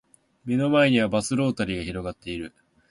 目の前にはバスロータリーが広がっている